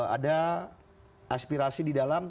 ada aspirasi di dalam